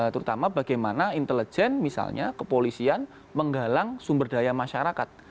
terutama bagaimana intelijen misalnya kepolisian menggalang sumber daya masyarakat